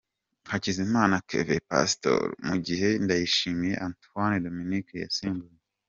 Hakizimana Kevin Pastole mu gihe Ndayishimiye Antoine Dominique yasimbuye.